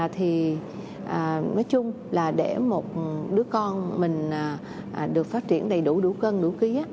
thì nói chung là để một đứa con mình được phát triển đầy đủ đủ cân đủ ký